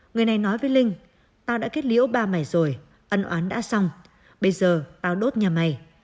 người này nói với linh tao đã kết liễu ba mày rồi ân oán đã xong bây giờ tao đốt nhà mày